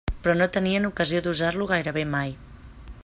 Però no tenien ocasió d'usar-lo gairebé mai.